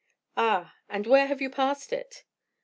"Ah! And where have you passed it?"